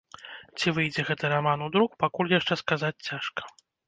Ці выйдзе гэты раман у друк, пакуль яшчэ сказаць цяжка.